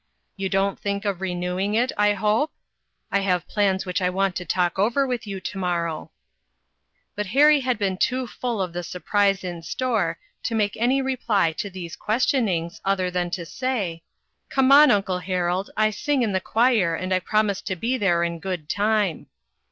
You don't think of renewing it, I hope ? I have plans which I want to talk over with you to morrow ?" But Harry had been too full of the sur prise in store, to make any reply to these questionings, other than to say :" Come on, uncle Harold ; I sing in the choir, and I promised to be there in good time."